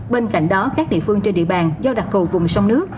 bên cạnh đó các địa phương trên địa bàn do đặc thù vùng sông nước